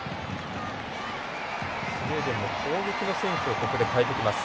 スウェーデンの攻撃の選手をここで代えてきます。